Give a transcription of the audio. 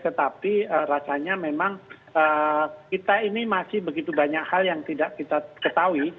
tetapi rasanya memang kita ini masih begitu banyak hal yang tidak kita ketahui